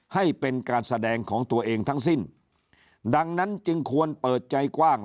ให้เป็นการแสดงของตัวเองทั้งสิ้นดังนั้นจึงควรเปิดใจกว้าง